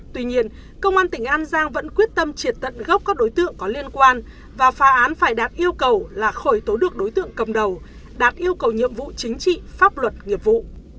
tuy nhiên công an tỉnh an giang vẫn quyết tâm triệt tận gốc các đối tượng có liên quan và phá án phải đạt yêu cầu là khởi tố được đối tượng cầm đầu đạt yêu cầu nhiệm vụ chính trị pháp luật nghiệp vụ